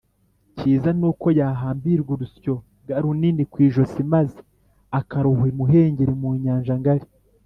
Cyiza ni uko yahambirwa urusyo g runini ku ijosi maze akarohwa imuhengeri mu nyanja ngari